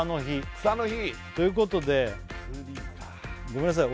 草の日ということで草の日ごめんなさい